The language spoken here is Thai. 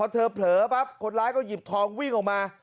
เธอเผลอปั๊บคนร้ายก็หยิบทองวิ่งออกมา